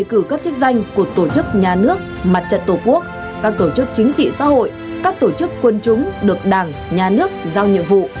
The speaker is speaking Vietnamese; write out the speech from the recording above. cử các chức danh của tổ chức nhà nước mặt trận tổ quốc các tổ chức chính trị xã hội các tổ chức quân chúng được đảng nhà nước giao nhiệm vụ